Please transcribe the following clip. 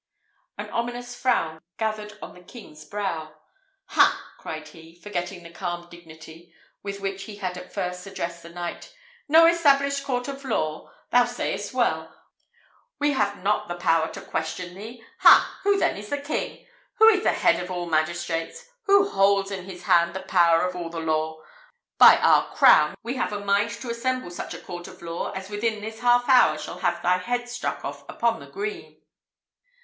An ominous frown gathered on the king's brow. "Ha!" cried he, forgetting the calm dignity with which he had at first addressed the knight. "No established court of law! Thou sayest well: we have not the power to question thee! Ha! who then is the king? Who is the head of all magistrates? Who holds in his hand the power of all the law? By our crown! we have a mind to assemble such a court of law as within this half hour shall have thy head struck off upon the green!"